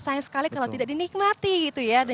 sayang sekali kalau tidak dinikmati gitu ya